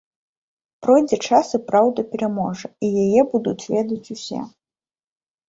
Пройдзе час, і праўда пераможа, і яе будуць ведаць усе.